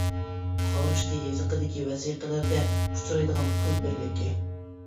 قارۇشتى يېزىقىدىكى ۋەسىقىلەردە ئۇچرايدىغان پۇل بىرلىكى.